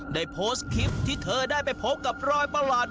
ได้โพสต์คลิปที่เธอได้ไปพบกับรอยประหลาด